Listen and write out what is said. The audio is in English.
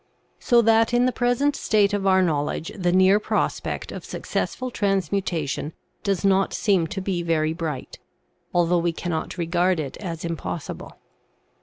So that in the present state of our knowledge the near prospect of suc cessful transmutation does not seem to be very bright, although we cannot regard it as impossible.